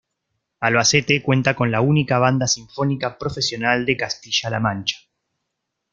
Albacete cuenta con la única banda sinfónica profesional de Castilla-La Mancha.